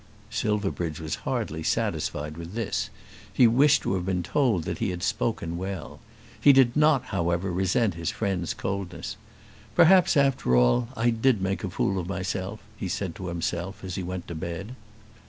Silverbridge was hardly satisfied with this. He wished to have been told that he had spoken well. He did not, however, resent his friend's coldness. "Perhaps, after all, I did make a fool of myself," he said to himself as he went to bed.